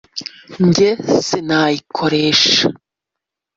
njye sinayikoresha